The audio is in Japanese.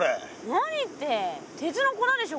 何って鉄の粉でしょ